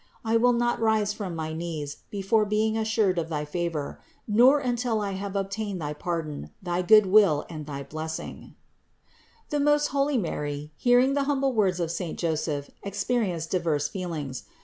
I will not rise from my 332 THE INCARNATION 333 knees, before being assured of thy favor, nor until I have obtained thy pardon, thy good will and thy blessing." 408. The most holy Mary, hearing the humble words of saint Joseph, experienced diverse feelings.